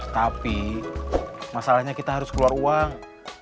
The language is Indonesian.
tapi masalahnya kita harus keluar uang